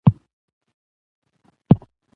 بادي انرژي د افغان ځوانانو د هیلو استازیتوب کوي.